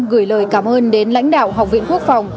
gửi lời cảm ơn đến lãnh đạo học viện quốc phòng